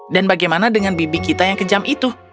dan bagaimana dengan bibi kita yang kejam itu